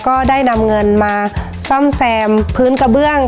ก็ได้นำเงินมาซ่อมแซมพื้นกระเบื้อง